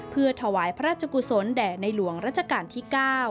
เพื่อถวายพระราชกุศลแด่ในหลวงรัชกาลที่๙